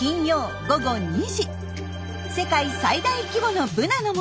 世界最大規模のブナの森。